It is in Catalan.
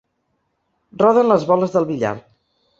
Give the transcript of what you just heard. Roden les boles del billar.